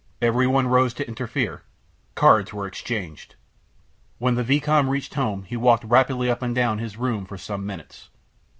Every one rose to interfere. Cards were exchanged. When the vicomte reached home he walked rapidly up and down his room for some minutes.